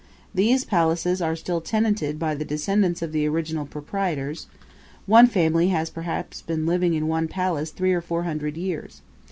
These palaces are still tenanted by the descendants of the original proprietors; one family has perhaps been living in one palace three or four hundred years.